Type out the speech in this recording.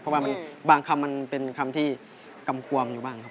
เพราะว่าบางคำมันเป็นคำที่กำกวมอยู่บ้างครับ